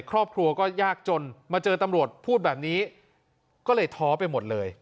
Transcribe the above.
ครอบครัวก็ยากจนมาเจอตำรวจพูดแบบนี้ก็เลยท้อไปหมดเลย